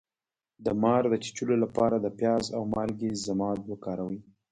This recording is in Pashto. د مار د چیچلو لپاره د پیاز او مالګې ضماد وکاروئ